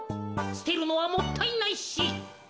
すてるのはもったいないし。